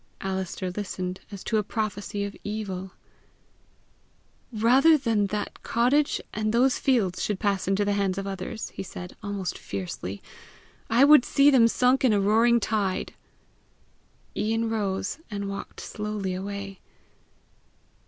Alister listened as to a prophecy of evil. "Rather than that cottage and those fields should pass into the hands of others," he said, almost fiercely, "I would see them sunk in a roaring tide!" Ian rose, and walked slowly away.